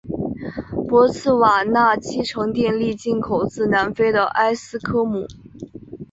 博茨瓦纳七成电力进口自南非的埃斯科姆。